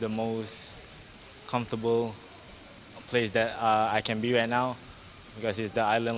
dan ini adalah tempat yang paling nyaman yang saya bisa berada di sekarang